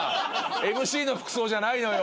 ＭＣの服装じゃないのよ。